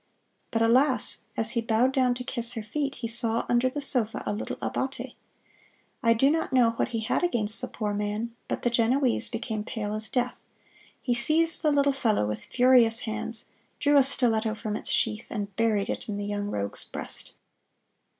But, alas! as he bowed down to kiss her feet, he saw under the sofa a little abbate! I do not know what he had against the poor man, but the Genoese became pale as death. He seized the little fellow with furious hands, drew a stiletto from its sheath, and buried it in the young rogue's breast.